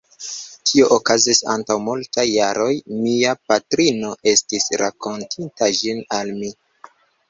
Tio okazis antaŭ multaj jaroj; mia patrino estis rakontinta ĝin al mi.